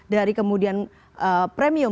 dari kemudian premium